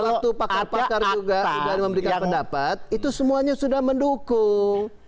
waktu pakar pakar juga sudah memberikan pendapat itu semuanya sudah mendukung